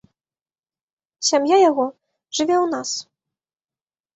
Сям'я яго жыве ў нас.